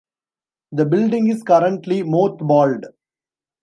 The building is currently mothballed.